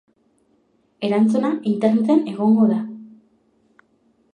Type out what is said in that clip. Erantzuna Interneten egongo da.